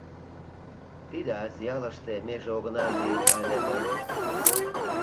Тиде Азъялыште меже огына лий ыле гын